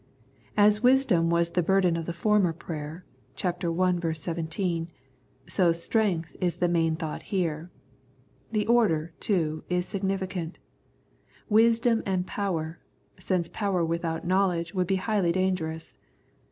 As wisdom was the burden of the former prayer (ch. i. 17), so strength is the main thought here. The order, too, is significant ; wisdom and power, since power without knowledge would be highly danger ous.